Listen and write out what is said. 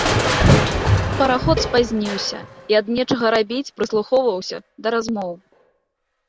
Параход спазніўся, і ад нечага рабіць прыслухоўваюся да размоў.